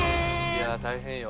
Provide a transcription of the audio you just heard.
いやあ大変よ。